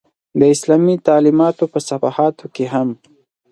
د اسلامي تعلمیاتو په صفحاتو کې هم.